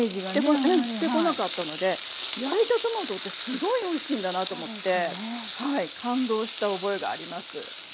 うんしてこなかったので焼いたトマトってすごいおいしいんだなと思って感動した覚えがあります。